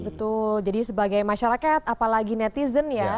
betul jadi sebagai masyarakat apalagi netizen ya